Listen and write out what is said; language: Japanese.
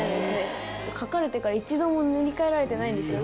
描かれてから一度も塗り替えられてないんですよ。